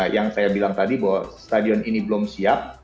yang saya bilang tadi bahwa stadion ini belum siap